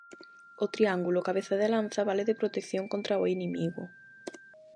O triángulo, cabeza de lanza, vale de protección contra o inimigo.